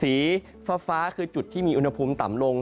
สีฟ้าคือจุดที่มีอุณหภูมิต่ำลง